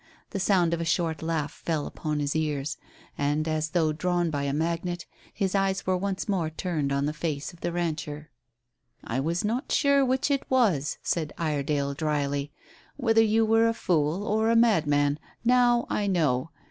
The sound of a short laugh fell upon his ears, and, as though drawn by a magnet, his eyes were once more turned on the face of the rancher. "I was not sure which it was," said Iredale dryly; "whether you were a fool or a madman. Now I know.